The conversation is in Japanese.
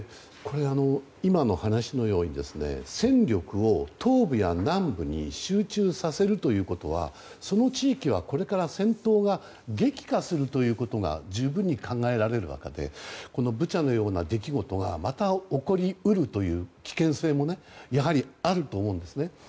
今の話のように戦力を東部や南部に集中させるということはその地域はこれから戦闘が激化するということが十分に考えられるわけでブチャのような出来事がまた、起こり得るという危険性もあると思うんです。